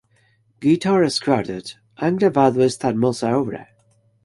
Guitar Quartet han grabado esta hermosa obra.